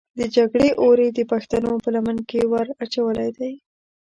د جګړې اور یې د پښتنو په لمن کې ور اچولی دی.